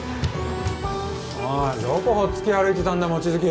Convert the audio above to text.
おいどこほっつき歩いてたんだ望月